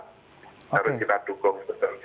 harus kita dukung